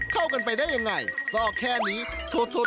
เข้าไปได้ยังไงซอกแค่นี้โทษ